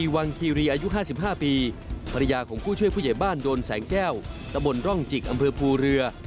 ภรรยาของผู้ช่วยผู้ใหญ่บ้านโดนแสงแก้วตะบนร่องจิกอำเภอภูเรือ